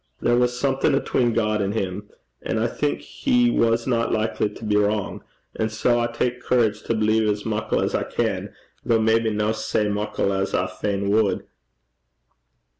There was something atween God and him. An' I think he wasna likely to be wrang; an' sae I tak courage to believe as muckle as I can, though maybe no sae muckle as I fain wad.'